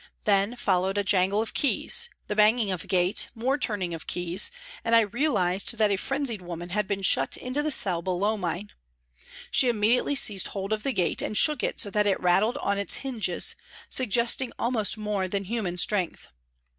Then followed a jangle of keys, the banging of a gate, more turning of keys, and I realised that a frenzied woman had been shut into the cell below mine. She immediately seized hold of the gate and shook it so that it rattled on its hinges, suggesting almost more than human strength.